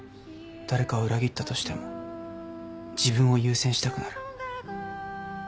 誰かを裏切ったとしても自分を優先したくなる。